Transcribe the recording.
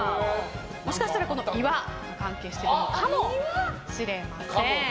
もしかしたら、岩が関係しているのかもしれません。